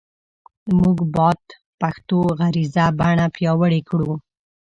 مونږ باد پښتو غږیزه بڼه پیاوړی کړو